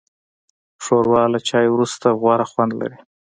ښوروا له چای وروسته غوره خوند لري.